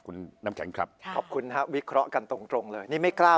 คุณน้ำแข็งครับขอบคุณฮะวิเคราะห์กันตรงเลยนี่ไม่กล้า